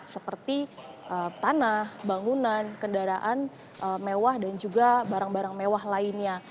seperti tanah bangunan kendaraan mewah dan juga barang barang mewah lainnya